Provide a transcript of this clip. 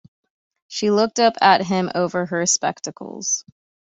She looked up at him over her spectacles.